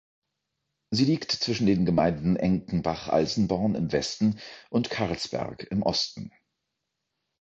Sie liegt zwischen den Gemeinden Enkenbach-Alsenborn im Westen und Carlsberg im Osten.